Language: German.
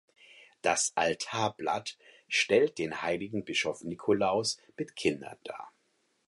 Das Altarblatt stellt den heiligen Bischof Nikolaus mit Kindern dar.